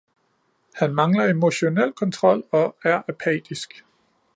Han mangler emotionel kontrol og er apatisk.